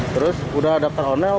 terus udah daftar online atau belum